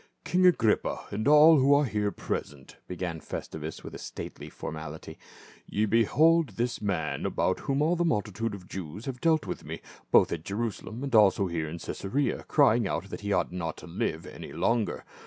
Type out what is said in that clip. " King Agrippa, and all who are here present," began Festus with stately formality, "ye behold this man about whom all the multitude of the Jews have dealt with me, both at Jerusalem and also here at Caesarea, crying out that he ought not to live any longer.